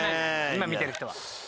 今見てる人は。